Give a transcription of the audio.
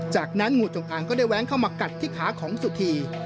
จากนั้นงูจงอางก็ได้แว้งเข้ามากัดที่ขาของสุธี